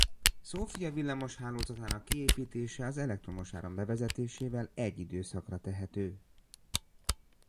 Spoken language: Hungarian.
Szófia villamoshálózatának kiépítése az elektromos áram bevezetésével egy időszakra tehető.